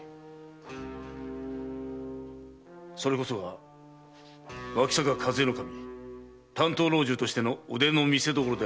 それこそが脇坂主計頭担当老中としての腕の見せどころであろう。